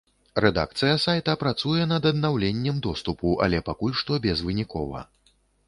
Рэдакцыя сайта працуе над аднаўленнем доступу, але пакуль што безвынікова.